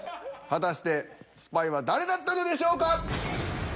果たしてスパイは誰だったのでしょうか！？